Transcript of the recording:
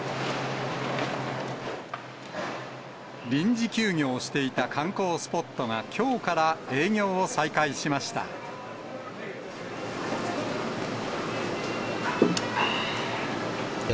臨時休業していた観光スポットが、きょうから営業を再開しました。